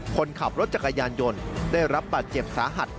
คนขับรถจักรยานยนต์ได้รับบาดเจ็บสาหัส